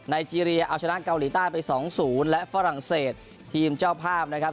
เจเรียเอาชนะเกาหลีใต้ไป๒๐และฝรั่งเศสทีมเจ้าภาพนะครับ